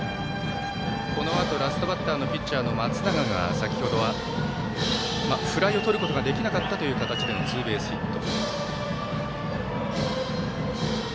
このあと、ラストバッターのピッチャーの松永が先ほどはフライをとることができなかったという形でのツーベースヒット。